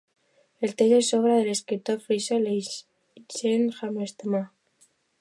El text és obra de l'escriptor frisó Eeltsje Halbertsma.